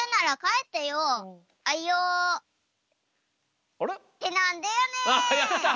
「ってなんでやねん！」。